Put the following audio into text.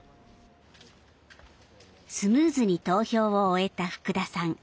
スムーズに投票を終えた福田さん。